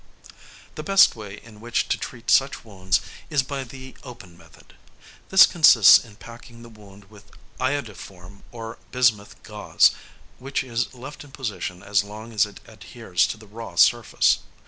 The best way in which to treat such wounds is by the open method. This consists in packing the wound with iodoform or bismuth gauze, which is left in position as long as it adheres to the raw surface.